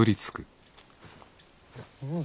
うん。